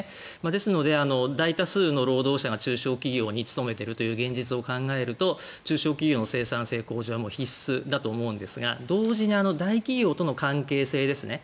ですので、大多数の労働者が中小企業に勤めているという現実を考えると中小企業の生産性の向上は必須だと思うんですが同時に大企業との関係性ですね